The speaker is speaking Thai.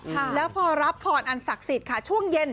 ชอบเนอะแล้วพอรับผ่อนอันศักดิ์สิทธิ์ค่ะช่วงเย็น